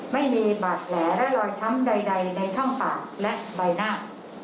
ไม่มีบาดแผลและรอยช้ำใดในช่องปากและใบหน้า